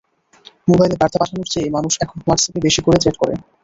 মোবাইলে বার্তা পাঠানোর চেয়ে মানুষ এখন হোয়াটসঅ্যাপে বেশি করে চ্যাট করে।